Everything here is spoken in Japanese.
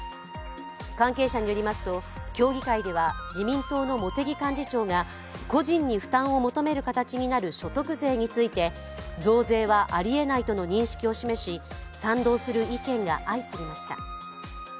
関係者によりますと、協議会では自民党の茂木幹事長が個人に負担を求める形になる所得税について増税はありえないとの認識を示し、賛同する意見が相次ぎました。